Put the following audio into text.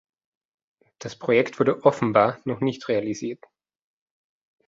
Das Projekt wurde offenbar noch nicht realisiert.